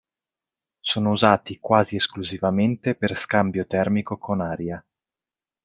Sono usati quasi esclusivamente per scambio termico con aria.